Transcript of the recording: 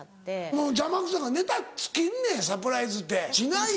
もう邪魔くさいネタ尽きんねんサプライズってしないよ。